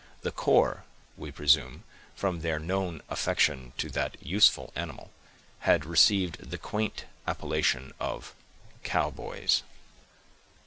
The corps—we presume, from their known affection to that useful animal—had received the quaint appellation of "Cowboys."